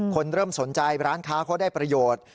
คนเริ่มสนใจร้านค้าเขาได้ประโยชน์